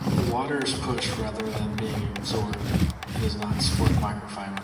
If the water is pushed rather than being absorbed, it's not split microfiber.